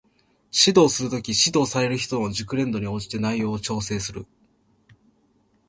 指導する時、指導される人の熟練度に応じて内容を調整する